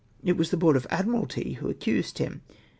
It was the Board of Admiralty wdio accused him.